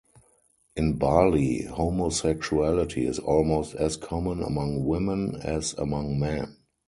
In Bali, homosexuality is almost as common among women as among men.